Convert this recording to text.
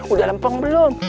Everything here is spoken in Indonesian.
udah lempeng belum